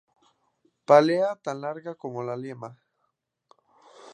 Pálea tan larga como la lema.